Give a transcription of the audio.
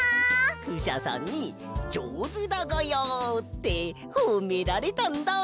クシャさんに「じょうずだがや」ってほめられたんだ！